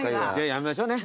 やめましょうね。